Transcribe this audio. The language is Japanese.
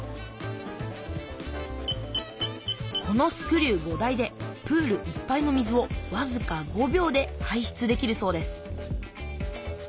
このスクリュー５台でプールいっぱいの水をわずか５秒で排出できるそうです